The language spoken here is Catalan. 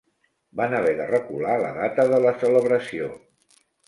Van haver de recular la data de la celebració.